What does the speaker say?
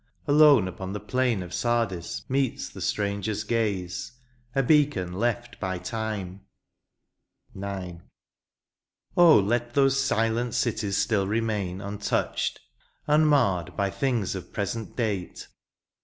Alone upon the plain of Sardis meets The stranger's gaze — a beacon left by time ! IX. Oh ! let those silent cities still remain Untouched, immarred, by things of present date.